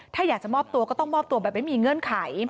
ถ้าอยากจะมอบตัวก็ต้องมอบตัวแบบไม่มีเงื่อนไข